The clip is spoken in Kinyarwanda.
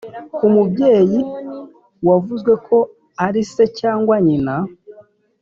Umubyeyi wavuzwe ko ari se cyangwa nyina